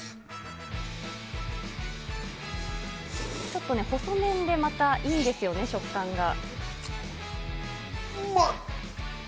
ちょっと細麺でまたいいんですよね、食感が。